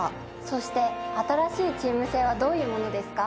そして新しいチーム制はどういうものですか？